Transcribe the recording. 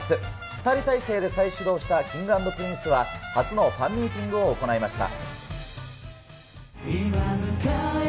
２人体制で再始動したＫｉｎｇ＆Ｐｒｉｎｃｅは、初のファンミーティングを行いました。